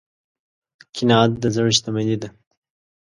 قناعت د زړه شتمني ده.